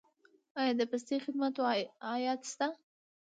آیا د پستي خدماتو عاید شته؟